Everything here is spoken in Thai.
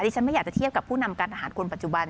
ฉันไม่อยากจะเทียบกับผู้นำการทหารคนปัจจุบัน